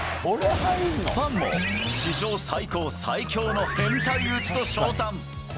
ファンも史上最高・最強の変態打ちと称賛！